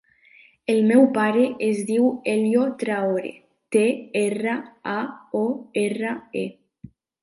El meu pare es diu Elio Traore: te, erra, a, o, erra, e.